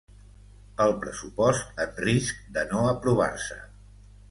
El pressupost en risc de no aprovar-se